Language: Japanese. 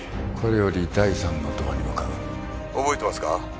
これより第三のドアに向かう覚えてますか？